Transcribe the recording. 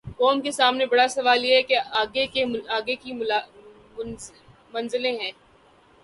قوم کے سامنے بڑا سوال یہ ہے کہ آگے کی منزلیں ہیں۔